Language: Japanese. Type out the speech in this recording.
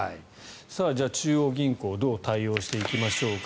じゃあ中央銀行どう対応していきましょうか。